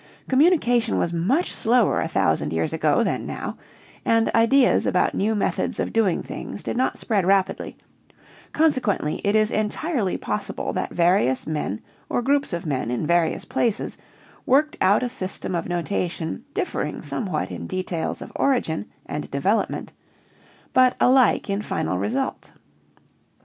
Communication was much slower a thousand years ago than now and ideas about new methods of doing things did not spread rapidly, consequently it is entirely possible that various men or groups of men in various places worked out a system of notation differing somewhat in details of origin and development but alike in final result.